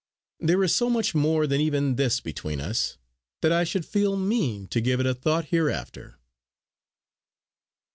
There is so much more than even this between us, that I should feel mean to give it a thought hereafter!"